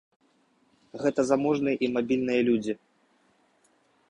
Гэта заможныя і мабільныя людзі.